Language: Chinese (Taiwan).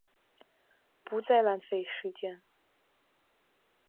不再浪費時間